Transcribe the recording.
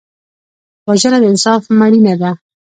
وژنه د انصاف مړینه ده